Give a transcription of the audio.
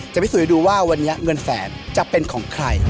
พิสูจน์ให้ดูว่าวันนี้เงินแสนจะเป็นของใคร